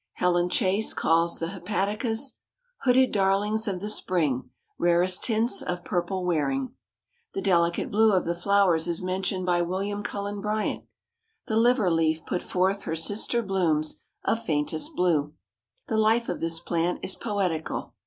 Helen Chase calls the Hepaticas "Hooded darlings of the spring, Rarest tints of purple wearing." The delicate blue of the flowers is mentioned by William Cullen Bryant: "The liverleaf put forth her sister blooms Of faintest blue." The life of this plant is poetical.